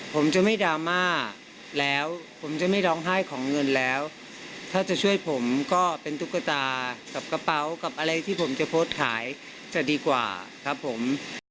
ผมจะไม่ดราม่าแล้วผมจะไม่ร้องไห้ของเงินแล้วถ้าจะช่วยผมก็เป็นตุ๊กตากับกระเป๋ากับอะไรที่ผมจะโพสต์ขายจะดีกว่าครับผม